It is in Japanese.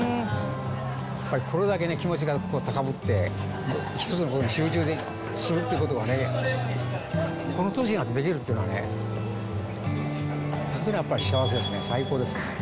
これだけね、気持ちが高ぶって一つのことに集中するっていうことがね、この年になってできるっていうのはね、本当にやっぱり幸せですね、最高ですね。